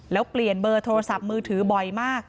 แล้วเปลี่ยนเบอร์โทรศัพท์มือถือบ่อยมาก